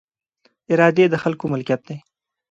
ادارې د خلکو ملکیت دي